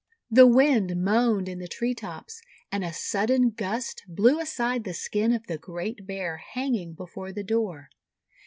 The wind moaned in the tree tops, and a sud den gust blew aside the skin of the Great Bear hanging before the door.